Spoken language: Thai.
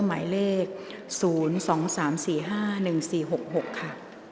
หมายเลข๐๒๓๔๕๑๔๖๖ค่ะ